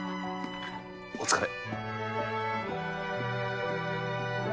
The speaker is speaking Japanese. お疲れ。